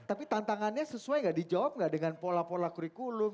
tapi tantangannya sesuai nggak dijawab nggak dengan pola pola kurikulum